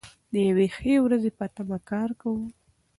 د یوې ښې ورځې په تمه کار کوو.